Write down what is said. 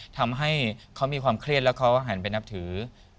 ทำให้เขามีความเครียดแล้วเขาหันไปนับถือ